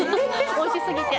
おいしすぎて。